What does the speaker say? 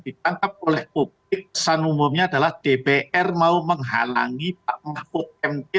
ditangkap oleh publik kesan umumnya adalah dpr mau menghalangi pak mahfud md